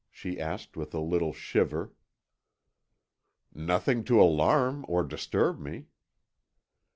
she asked with a little shiver. "Nothing to alarm or disturb me."